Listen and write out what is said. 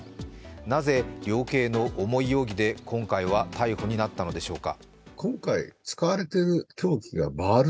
なぜ量刑の重い容疑で今回は逮捕となったのでしょうか。